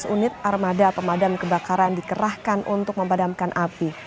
dua belas unit armada pemadam kebakaran dikerahkan untuk memadamkan api